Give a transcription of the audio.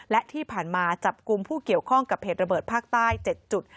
และที่ผ่านมาจับกลุ่มผู้เกี่ยวข้องกับเหตุระเบิดภาคใต้๗จุด